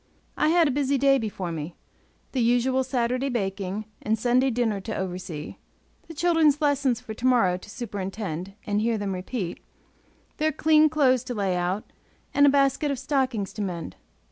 I had a busy day before me; the usual Saturday baking and Sunday dinner to oversee, the children's lessons for to morrow to superintend and hear them repeat, their clean clothes to lay out, and a basket of stockings to mend.